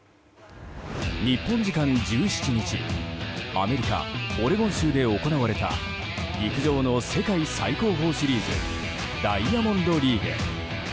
日本時間１７日アメリカ・オレゴン州で行われた陸上の世界最高峰シリーズダイヤモンドリーグ。